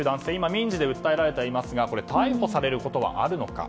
民事で訴えられてはいますが逮捕されることはあるのか。